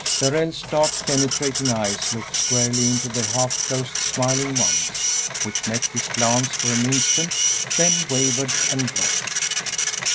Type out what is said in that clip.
Darrell's dark, penetrating eyes looked squarely into the half closed, smiling ones, which met his glance for an instant, then wavered and dropped.